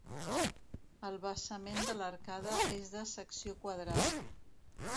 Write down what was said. El basament de l'arcada és de secció quadrada.